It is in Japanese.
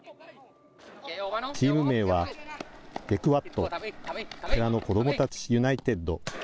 チーム名は、デクワット・寺の子どもたちユナイテッド。